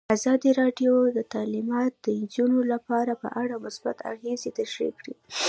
ازادي راډیو د تعلیمات د نجونو لپاره په اړه مثبت اغېزې تشریح کړي.